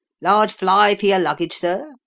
" Large fly for your luggage, sir !